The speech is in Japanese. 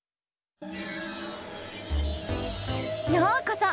ようこそ！